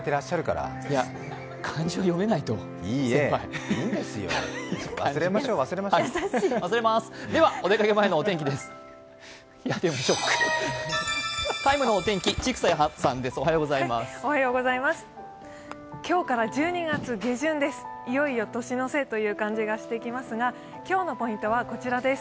お出かけ前のお天気です。